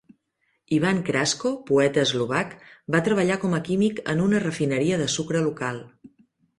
Ivan Krasko, poeta eslovac, va treballar com a químic en una refineria de sucre local.